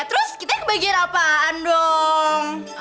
terus kita kebagian apaan dong